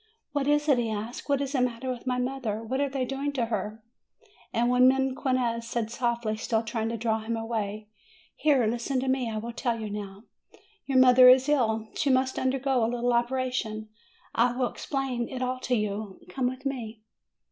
"What is it," he asked. "What is the matter with my mother? What are they doing to her?" And then Mequinez said softly, still trying to draw SUMMER 295 him away: "Here! Listen to me. I will tell you now. Your mother is ill; she must undergo a little operation; I will explain it all to you: come with me."